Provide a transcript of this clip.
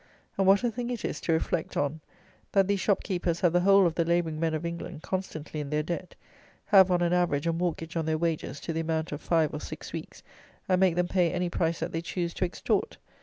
And what a thing it is to reflect on, that these shopkeepers have the whole of the labouring men of England constantly in their debt; have on an average a mortgage on their wages to the amount of five or six weeks, and make them pay any price that they choose to extort.